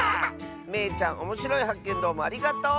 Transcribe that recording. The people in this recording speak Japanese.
めいちゃんおもしろいはっけんどうもありがとう！